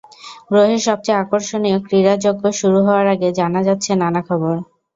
গ্রহের সবচেয়ে আকর্ষণীয় ক্রীড়াযজ্ঞ শুরু হওয়ার আগে জানা যাচ্ছে নানা খবর।